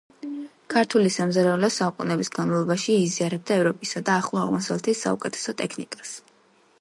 ქართული სამზარეულო საუკუნეების განმავლობაში იზიარებდა ევროპისა და ახლო აღმოსავლეთის საუკეთესო ტექნიკებს.